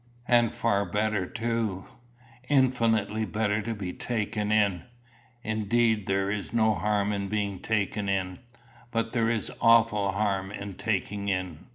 "And far better too. Infinitely better to be taken in. Indeed there is no harm in being taken in; but there is awful harm in taking in."